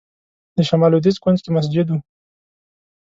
د شمال لوېدیځ کونج کې مسجد و.